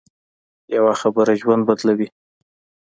یوه خبره ژوند بدلوي